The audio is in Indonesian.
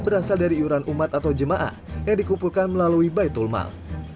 berasal dari iuran umat atau jemaah yang dikumpulkan melalui baitul mal